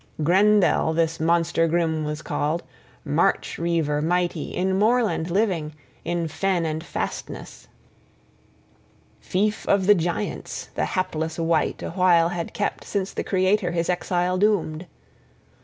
Grendel this monster grim was called, march riever {1e} mighty, in moorland living, in fen and fastness; fief of the giants the hapless wight a while had kept since the Creator his exile doomed.